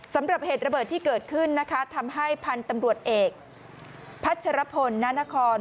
สำหรับเหตุระเบิดที่เกิดขึ้นนะคะทำให้พันธุ์ตำรวจเอกพัชรพลนานคร